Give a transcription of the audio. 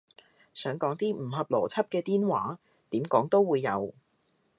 想講啲唔合邏輯嘅癲話，點講都會有